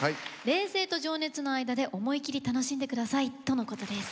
「冷静と情熱の間で思い切り楽しんでください」とのことです。